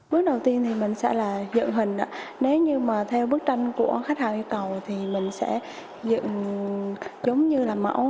bước đầu tiên thì mình sẽ là dựng hình nếu như mà theo bức tranh của khách hàng yêu cầu thì mình sẽ dựng giống như là mẫu